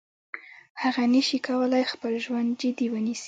هغه نشي کولای خپل ژوند جدي ونیسي.